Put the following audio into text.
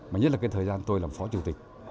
mà nhất là cái thời gian tôi làm phó chủ tịch